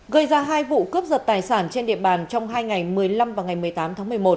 gây ra hai vụ cướp giật tài sản trên địa bàn trong hai ngày một mươi năm và ngày một mươi tám tháng một mươi một